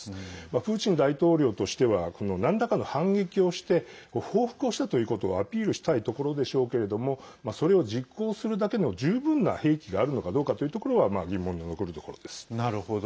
プーチン大統領としてはなんらかの反撃をして報復をしたということをアピールしたいところでしょうけれどもそれを実行するだけの十分な兵器があるのかどうかというところは疑問の残るところです。